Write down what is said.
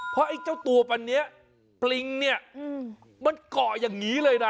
เพราะไอ้เจ้าตัวปันนี้ปริงเนี่ยมันเกาะอย่างนี้เลยนะ